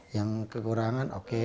yang kekurangan oke